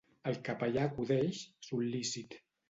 El capellà acudeix, sol·lícit.